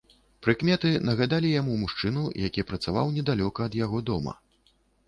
Прыкметы нагадалі яму мужчыну, які працаваў недалёка ад яго дома.